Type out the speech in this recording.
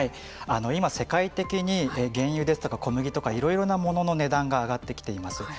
今、世界的に原油ですとか小麦とかいろいろなものの値段が上がってきています。